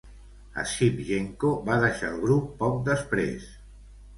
Schiptjenko va deixar el grup poc després.